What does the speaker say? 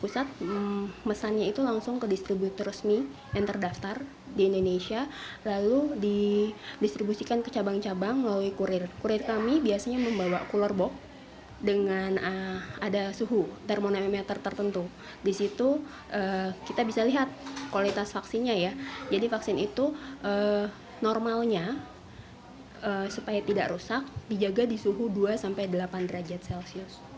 supaya tidak rusak dijaga di suhu dua delapan derajat celcius